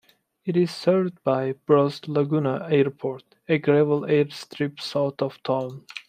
It is served by Brus Laguna Airport, a gravel airstrip south of town.